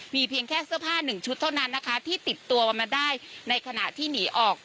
มีเพียงแค่เสื้อผ้าหนึ่งชุดเท่านั้นนะคะที่ติดตัวมาได้ในขณะที่หนีออก